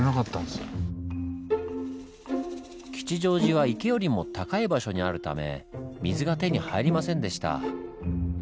吉祥寺は池よりも高い場所にあるため水が手に入りませんでした。